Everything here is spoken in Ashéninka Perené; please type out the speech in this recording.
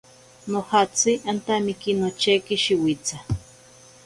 Nojatsi antamiki nocheki shiwitsa.